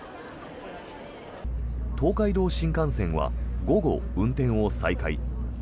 東海道新幹線は午後運転を再開。